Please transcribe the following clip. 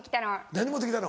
何持って来たの？